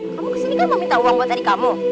kamu kesini kan mau minta uang buat tadi kamu